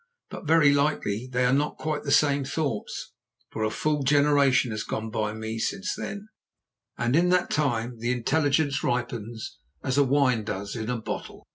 But very likely they are not quite the same thoughts, for a full generation has gone by me since then, and in that time the intelligence ripens as wine does in a bottle.